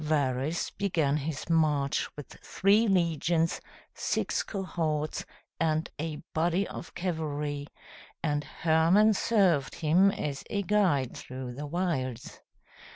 Varus began his march with three legions, six cohorts, and a body of cavalry, and Hermann served him as a guide through the wilds.